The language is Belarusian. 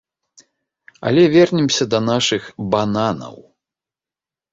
Але вернемся да нашых бананаў.